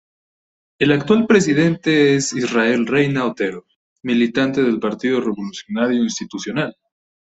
El actual presidente es Israel Reyna Otero, militante del Partido Revolucionario Institucional.